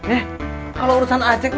eh kalau urusan acing harus begitu